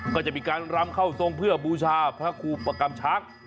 ก็จะมีการรำเข้าทรงเพื่อบูชาพระครูปกรรมช้าง